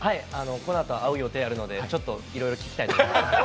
このあと、会う予定があるのでいろいろ聞きたいと思います。